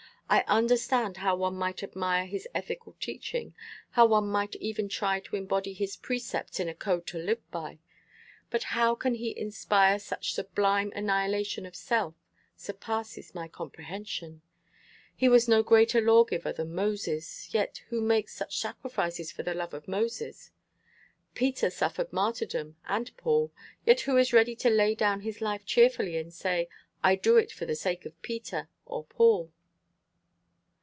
I understand how one might admire his ethical teaching, how one might even try to embody his precepts in a code to live by; but how he can inspire such sublime annihilation of self, surpasses my comprehension. He was no greater lawgiver than Moses, yet who makes such sacrifices for the love of Moses? Peter suffered martyrdom, and Paul; yet who is ready to lay down his life cheerfully and say, 'I do it for the sake of Peter or Paul?'"